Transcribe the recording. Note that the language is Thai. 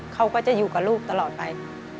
เขาก็จะอยู่กับลูกตลอดไป